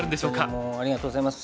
本当にもうありがとうございます。